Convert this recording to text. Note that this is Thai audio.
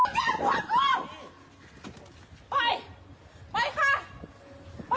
พี่ถ่ายรูปเลยครับ